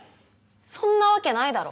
そんなわけないだろ。